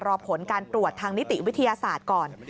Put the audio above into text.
รอผลการตรวจทางนิติวิทยาศาสตร์ก่อน